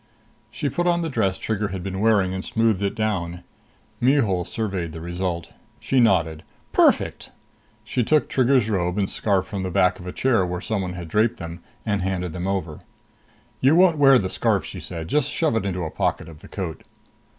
She put on the dress Trigger had been wearing and smoothed it down. Mihul surveyed the result. She nodded. "Perfect." She took Trigger's robe and scarf from the back of a chair where someone had draped them and handed them over. "You won't wear the scarf," she said. "Just shove it into a pocket of the coat."